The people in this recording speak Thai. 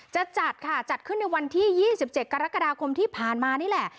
จะจัดค่ะจัดขึ้นในวันที่๒๗กรกฎาคมที่ผ่านมานี่แหละ